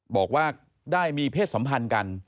บอกว่าได้มีเพศสัมพันธ์กัน